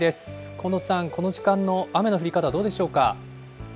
近藤さん、この時間の雨の降り方、どうでしょうか。